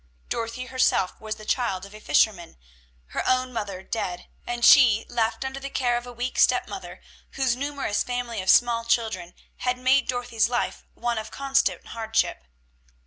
Dorothy herself was the child of a fisherman her own mother dead, and she left under the care of a weak stepmother, whose numerous family of small children had made Dorothy's life one of constant hardship.